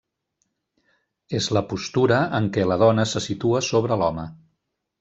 És la postura en què la dona se situa sobre l'home.